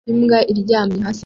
Imbwa aryamye hasi